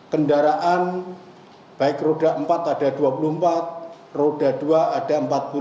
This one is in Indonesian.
kendaraan baik roda empat ada dua puluh empat roda dua ada empat puluh lima